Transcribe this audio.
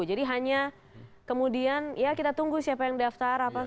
jadi hanya kemudian ya kita tunggu siapa yang daftar apa